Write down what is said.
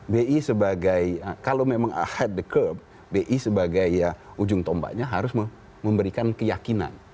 bi sebagai kalau memang ahead the curve bi sebagai ujung tombaknya harus memberikan keyakinan